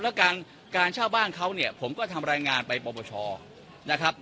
แล้วการการเช่าบ้านเขาเนี่ยผมก็ทำรายงานไปปปชนะครับ